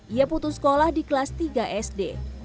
ia putus sekolah di kelas tiga sd